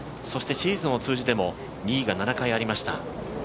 そしてシーズンを通じても２位が７回ありました。